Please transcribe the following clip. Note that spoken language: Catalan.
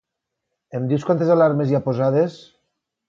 Em dius quantes alarmes hi ha posades?